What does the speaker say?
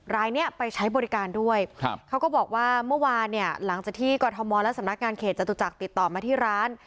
รายนี้ไปใช้บริการด้วยครับเขาก็บอกว่าเมื่อวานเนี่ยหลังจากที่กรทมและสำนักงานเขตจตุจักรติดต่อมาที่ร้าน